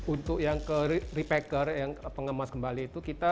untuk yang ke repacker yang pengemas kembali itu kita